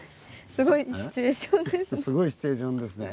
すごいシチュエーションですね